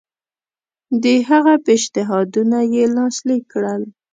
د هغه پېشنهادونه یې لاسلیک کړل.